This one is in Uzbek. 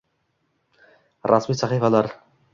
rasmiy sahifalari 👇